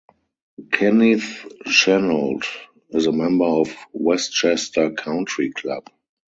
Kenneth Chenault is a member of Westchester Country Club.